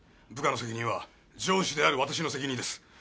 部下の責任は上司である私の責任です。